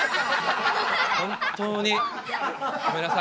本当にごめんなさい。